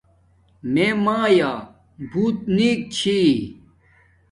میے مایا بوت نیک چھی